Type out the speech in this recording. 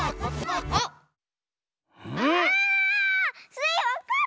スイわかったかも！